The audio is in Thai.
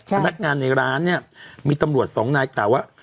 พนักงานในร้านเนี่ยมีตำรวจสองนายกล่าวว่า